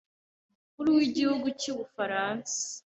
Umukuru w’igihugu cy’Ubufaransa